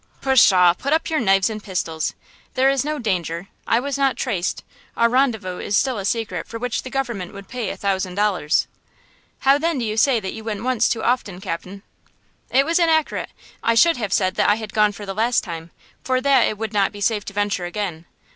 "Pshaw! put up your knives and pistols! There is no danger. I was not traced–our rendezvous is still a secret for which the government would pay a thousand dollars!" "How, then, do you say that you went once too often, cap'n?" "It was inaccurate! I should have said that I had gone for the last time, for that it would not be safe to venture again.